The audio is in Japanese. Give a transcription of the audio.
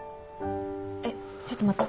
えっちょっと待って。